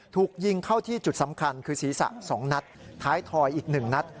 ถูกยิงเข้าที่จุดสำคัญคือศีรษะ๒นัดท้ายทอยอีก๑นัด